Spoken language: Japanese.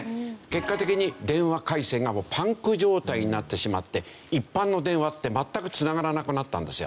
結果的に電話回線がパンク状態になってしまって一般の電話って全くつながらなくなったんですよ。